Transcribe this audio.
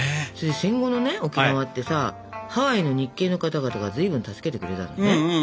戦後のね沖縄ってさハワイの日系の方々がずいぶん助けてくれたのね。